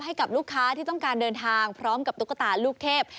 ให้กับลูกค้าที่ต้องการเดินทางพร้อมกับตุ๊กตาลูกเทพ